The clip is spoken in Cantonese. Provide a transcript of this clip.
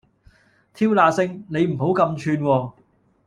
挑那星！你唔好咁串喎